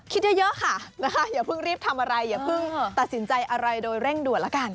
คิดเยอะค่ะนะคะอย่าเพิ่งรีบทำอะไรอย่าเพิ่งตัดสินใจอะไรโดยเร่งด่วนละกัน